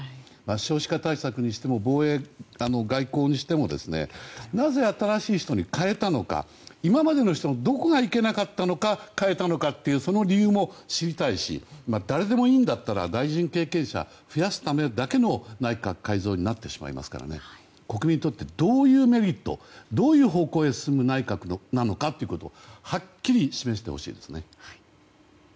少子化対策にしても防衛・外交にしてもなぜ新しい人に代えたのか今までの人のどこがいけなかったのか代えたのかその理由も知りたいし誰でもいいなら大臣経験者を増やすためだけの内閣改造になってしまいますから国民にとってどういうメリットどういう方向へ進む内閣かをはっきり示してほしいですね。